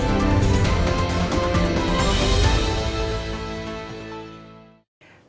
kondisi saat ini apa yang terjadi